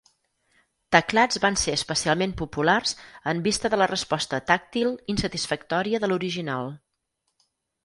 Teclats van ser especialment populars en vista de la resposta tàctil insatisfactòria de l'original.